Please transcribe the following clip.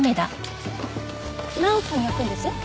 何分焼くんです？